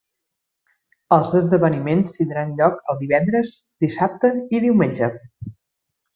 Els esdeveniments tindran lloc el divendres, dissabte i diumenge.